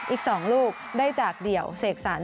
อีก๒ลูกได้จากเดี่ยวเสกสรร